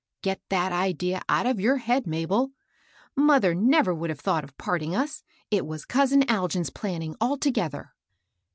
" Get that idea out of your head, Mabel. Mother never would have i;hought of parting us ; it was cousin Algin's planning altogether."